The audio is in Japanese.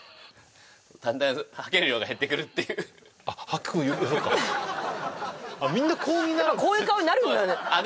だんだん吐ける量が減ってくるっていうあっ吐くそっかこういう顔になるんだあっ